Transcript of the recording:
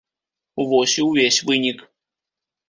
Вось і ўвесь вынік.